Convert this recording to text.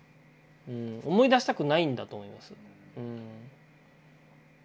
思い出したくないんだと思います。